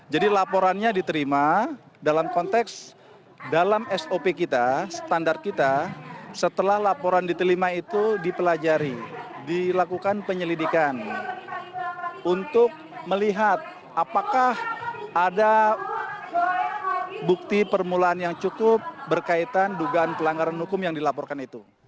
jadi laporannya diterima dalam konteks dalam sop kita standar kita setelah laporan diterima itu dipelajari dilakukan penyelidikan untuk melihat apakah ada bukti permulaan yang cukup berkaitan dugaan pelanggaran hukum yang dilaporkan itu